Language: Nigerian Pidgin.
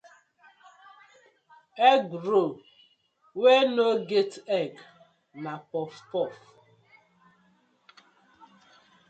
Egg roll wey no get egg na puff puff.